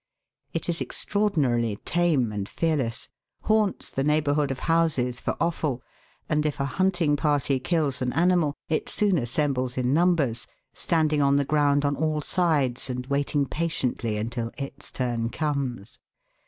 It is extraordinarily tame and fearless, haunts the neighbourhood of houses for offal, and if a hunting party kills an animal, it soon assembles in numbers, standing on the ground on all sides and waiting patiently until its turn comes.